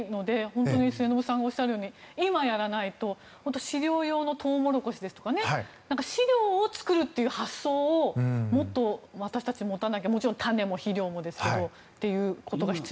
本当に末延さんがおっしゃるように今やらないと飼料用のトウモロコシですとか飼料を作るっていう発想をもっと私たち、持たなきゃもちろん、種も肥料もですがそう思います。